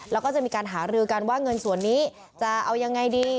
แล้วก็จะมีการหารือกันว่าเงินส่วนนี้จะเอายังไงดี